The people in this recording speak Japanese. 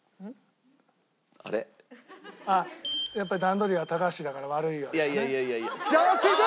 やっぱり段取りは高橋だから悪いわけだね。